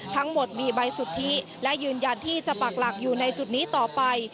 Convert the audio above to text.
ทั้งหมดมีใบสุทธิและยืนยันที่จะปากหลักอยู่ในจุดนี้ต่อไป